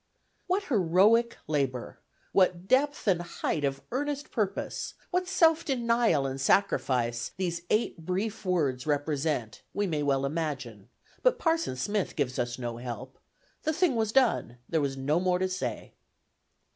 What heroic labor, what depth and height of earnest purpose, what self denial and sacrifice, these eight brief words represent, we may well imagine, but Parson Smith gives us no help. The thing was done: there was no more to say.